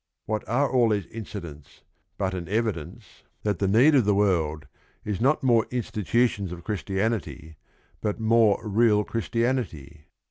What are all these incidents but an evidence that 220 THE RING AND THE BOOK the need of the world is not more institutions of Chr istianity, b ut more real Christianity.